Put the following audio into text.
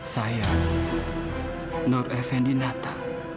saya nur effendi nata